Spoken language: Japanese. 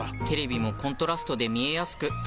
テレビもコントラストで見えやすく。